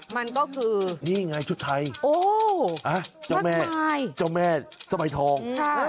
มันก็คือนี่ไงชุดไทยจ้าแม่สมัยทอง